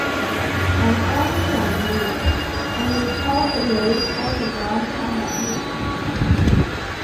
An awning was made, and the child lay on the ground under it.